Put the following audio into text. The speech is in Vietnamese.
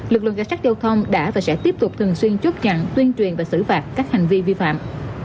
lực lượng cảnh sát giao thông đã và sẽ tiếp tục thường xuyên chốt chặn tuyên truyền và xử phạt các hành vi vi phạm